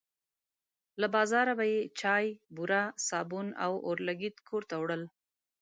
له بازاره به یې چای، بوره، صابون او اورلګیت کور ته وړل.